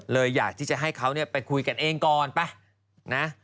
อยากที่จะให้เขาไปคุยกันเองก่อนไปนะ